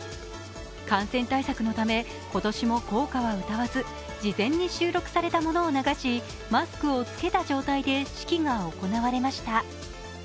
感染対策のため今年も校歌は歌わず事前に収録されたものを流しマスクをつけた状態で式が行われました。